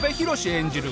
演じる